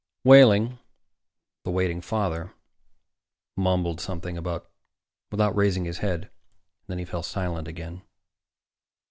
Wehling, the waiting father, mumbled something without raising his head. And then he fell silent again.